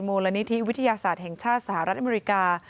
มูลนิธิวิทยาศาสตร์แห่งชาติสหรัฐอเมริกา